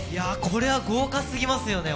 これは豪華すぎますよね